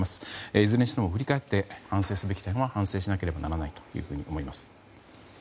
いずれにしても振り返って反省すべき点は反省しなければならないと思います。